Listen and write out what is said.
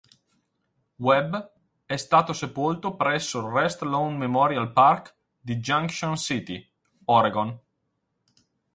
Webb è stato sepolto presso il Rest Lawn Memorial Park di Junction City, Oregon.